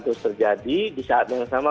terus terjadi di saat yang sama